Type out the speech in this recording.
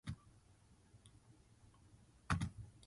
大好きな人ができた